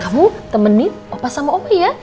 kamu temenin opa sama oma ya